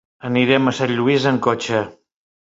Anirem a Sant Lluís amb cotxe.